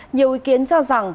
nhiều ý kiến cho rằng